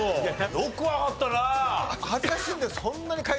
よくわかったな！